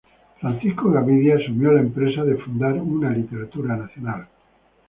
Francisco Gavidia asumió la empresa de fundar una literatura nacional.